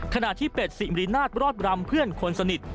ขณะที่เป็ดสิมรินาทรอดรำเพื่อนคนสนิท